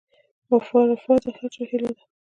رفاه د هر چا هیله ده